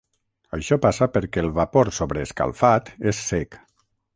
Això passa perquè el vapor sobreescalfat és sec.